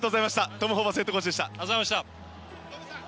トム・ホーバスヘッドコーチでした。